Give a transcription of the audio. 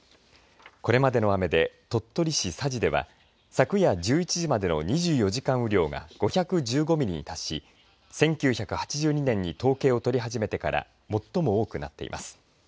これまでの雨で鳥取市佐治では昨夜１１時までの２４時間雨量が５１５ミリに達し１９８２年に統計を取り始めてから最も多くなっています。